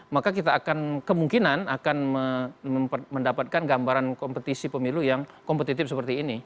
maka kita akan kemungkinan akan mendapatkan gambaran kompetisi pemilu yang kompetitif seperti ini